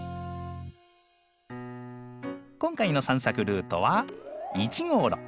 今回の散策ルートは１号路。